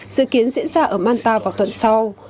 dự kiến diễn ra ở malta vào tuần sau